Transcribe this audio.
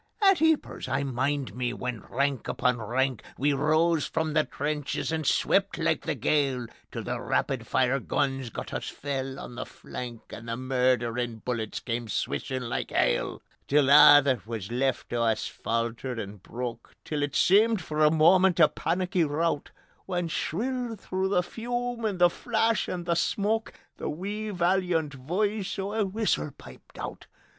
At Eepers I mind me when rank upon rank We rose from the trenches and swept like the gale, Till the rapid fire guns got us fell on the flank And the murderin' bullets came swishin' like hail: Till a' that were left o' us faltered and broke; Till it seemed for a moment a panicky rout, When shrill through the fume and the flash and the smoke The wee valiant voice o' a whistle piped out.